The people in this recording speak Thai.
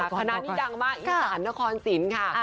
คณะนี้ดังมากอีสานนครสินค่ะ